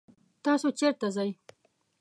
تاسو چرته ځئ؟